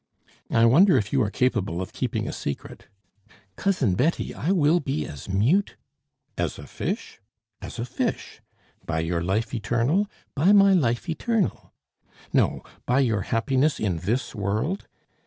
"I wonder if you are capable of keeping a secret." "Cousin Betty, I will be as mute! " "As a fish?" "As a fish." "By your life eternal?" "By my life eternal!" "No, by your happiness in this world?"